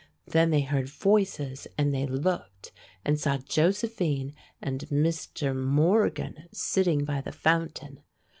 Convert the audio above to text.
Then they heard voices, and they looked and saw Josephine and Mr. Morgan sitting by the fountain.